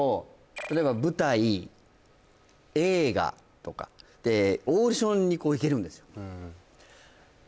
例えば舞台映画とかってオーディションに行けるんですよ